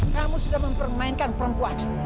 kamu sudah mempermainkan perempuan